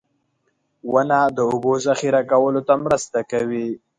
• ونه د اوبو ذخېره کولو ته مرسته کوي.